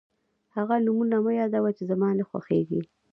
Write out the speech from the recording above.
هغه نومونه مه یادوه چې زما نه خوښېږي.